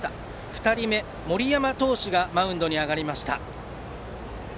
２人目、森山投手がマウンドに上がりました。